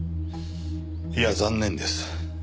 いや残念です。